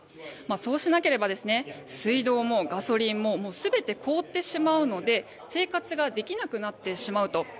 そうしなければ水道もガソリンも全て凍ってしまうので生活ができなくなってしまうと。